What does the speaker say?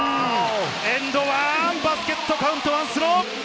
エンド１、バスケットカウントワンスロー！